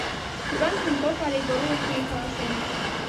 Тудлан Пеньков але Горлов тыге каласен.